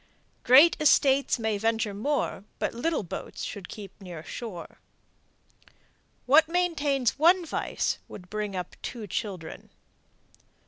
Great estates may venture more, but little boats should keep near shore. What maintains one vice would bring up two children.